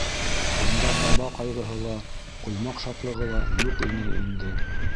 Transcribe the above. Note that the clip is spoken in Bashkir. Унда таба ҡайғыһы ла, ҡоймаҡ шатлығы ла юҡ ине инде.